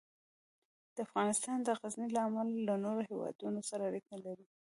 افغانستان د غزني له امله له نورو هېوادونو سره اړیکې لري.